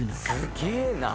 すげえな。